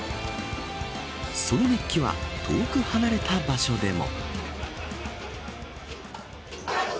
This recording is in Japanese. その熱気は遠く離れた場所でも。